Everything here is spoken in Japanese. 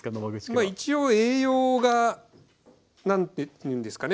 まあ一応栄養が。なんていうんですかね。